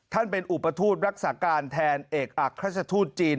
ท่านเป็นอุปถูกรักษาการแทนเอกอักฆาตชาตุทธิจีน